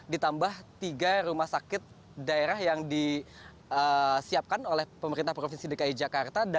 ditambah tiga rumah sakit daerah yang disiapkan oleh pemerintah provinsi dki jakarta